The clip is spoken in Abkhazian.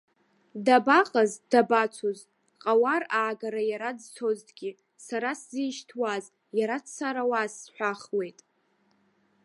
Дабаҟаз, дабацоз, ҟауар аагара иара дцозҭгьы, сара сзишьҭуаз, иара дцарауаз сҳәахуеит.